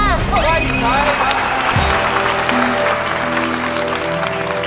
ไม่ใช้ครับ